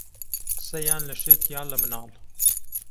قسە یان لە شێت یان لە مناڵ